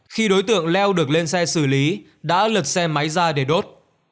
khi đối tượng leo được lên xe xử lý đã lật xe máy ra để đốt